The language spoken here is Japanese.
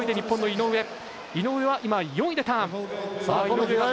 井上は４位でターン。